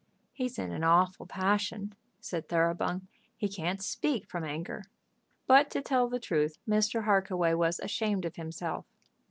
"He's in an awful passion," said Thoroughbung; "he can't speak from anger." But, to tell the truth, Mr. Harkaway was ashamed of himself.